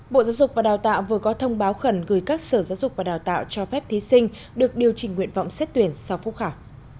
bộ giáo dục và đào tạo vừa có thông báo khẩn gửi các sở giáo dục và đào tạo cho phép thí sinh được điều chỉnh nguyện vọng xét tuyển sau phúc khảo